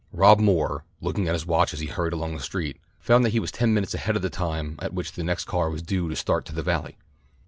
Rob Moore, looking at his watch as he hurried along the street, found that he was ten minutes ahead of the time at which the next car was due to start to the Valley.